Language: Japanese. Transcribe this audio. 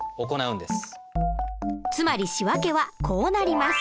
つまり仕訳はこうなります。